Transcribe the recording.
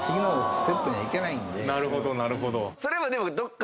なるほどなるほど。